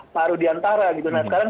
pak aro diantara nah sekarang